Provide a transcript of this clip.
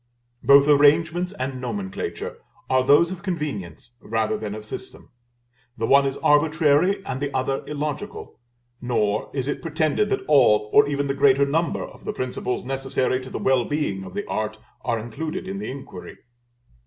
Both arrangements and nomenclature are those of convenience rather than of system; the one is arbitrary and the other illogical: nor is it pretended that all, or even the greater number of, the principles necessary to the well being of the art, are included in the inquiry.